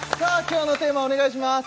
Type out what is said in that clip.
今日のテーマお願いします